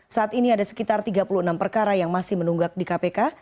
saat ini ada sekitar tiga puluh enam perkara yang masih menunggak di kpk